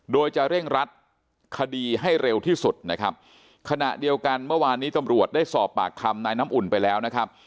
โดยจะเร่งรัดคดีให้เร็วที่สุดนะครับขณะเดียวกันเมื่อวานนี้ตำรวจได้สอบปากคำนายน้ำอุ่นไปแล้วนะครับ